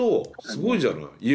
すごいじゃない。